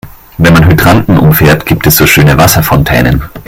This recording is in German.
Wenn man Hydranten umfährt, gibt es so schöne Wasserfontänen.